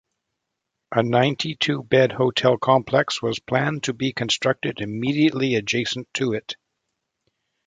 A ninety-two bed hotel complex was planned to be constructed immediately adjacent to it.